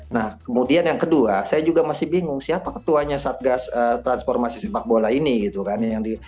nah kemudian yang kedua saya juga masih bingung siapa ketuanya satgas transformasi sepak bola ini gitu kan